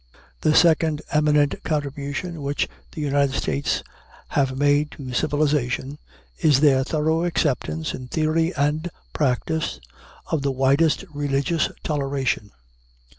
The second eminent contribution which the United States have made to civilization is their thorough acceptance, in theory and practice, of the widest religious toleration.